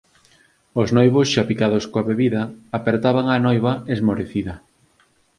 Os noivos xa picados coa bebida apertaban á noiva esmorecida